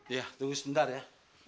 iya tunggu sebentar ya